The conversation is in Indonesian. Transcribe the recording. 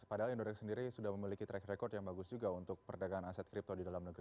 padahal indoor sendiri sudah memiliki track record yang bagus juga untuk perdagangan aset kripto di dalam negeri